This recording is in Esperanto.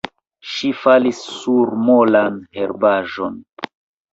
Ŝi falis sur molan herbaĵon.